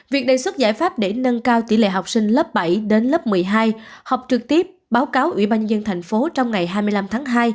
việc đề xuất giải pháp để nâng cao tỷ lệ học sinh lớp bảy đến lớp một mươi hai học trực tiếp báo cáo ubnd thành phố trong ngày hai mươi năm tháng hai